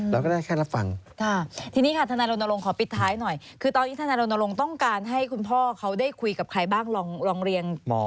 หมอเจ้าของไข้ซึ่งก็ติดต่อมาแล้วถูกไหม